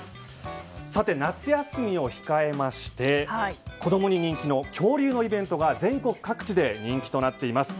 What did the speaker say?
夏休みを控えまして子供に人気の恐竜のイベントが全国各地で人気となっています。